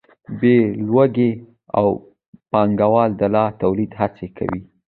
بیې لوړېږي او پانګوال د لا تولید هڅه کوي